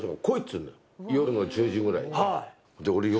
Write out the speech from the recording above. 夜の１０時ぐらいに。